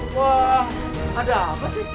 wah ada apa sih